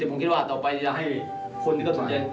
นี่ผมคิดว่าต่อไปจะให้คนที่สนใจ